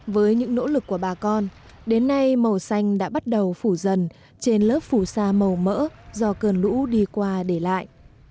với những nỗ lực của bà con đến nay màu xanh đã bắt đầu phủ dần trên lớp phủ sa màu mỡ do cơn lũ đi qua để lại